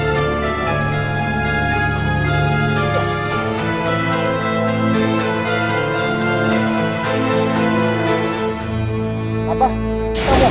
sejak pisah rumah dari saibanya